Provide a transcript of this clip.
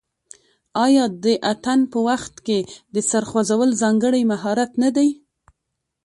آیا د اتن په وخت کې د سر خوځول ځانګړی مهارت نه دی؟